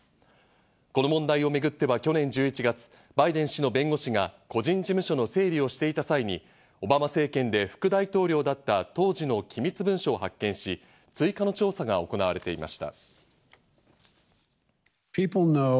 この問題をめぐっては去年１１月、バイデン氏の弁護士が個人事務所の整理をしていた際に、オバマ政権で副大統領だった当時の機密文書を発見し、追加の調査が行われていました。